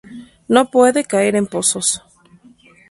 No puede caer en pozos.